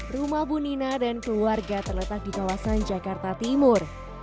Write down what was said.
rumah bunina dan keluarga terletak di kawasan jakarta timur